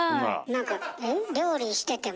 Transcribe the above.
なんか料理してても？